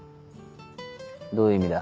どういう意味だ？